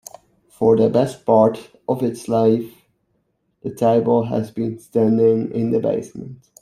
For the best part of its life, the table has been standing in the basement.